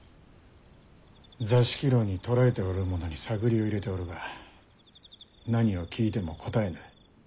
座敷牢に捕らえておる者に探りを入れておるが何を聞いても答えぬ。